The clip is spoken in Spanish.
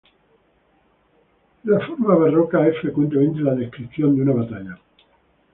La forma barroca es frecuentemente la descripción de una batalla.